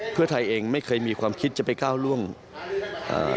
เพื่อไทยเองไม่เคยมีความคิดจะไปก้าวร่วงอ่า